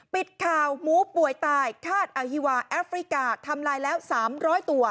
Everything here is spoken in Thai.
ปิดข่าวหมูป่วยตายคาดอาฮิวาแอฟริกาทำลายแล้ว๓๐๐ตัว